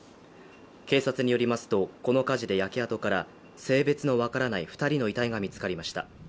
警察によりますと、この火事で焼け跡から性別の分からない２人の遺体が見つかりました。